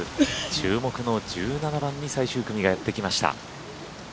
注目の１７番に最終組がやってきました。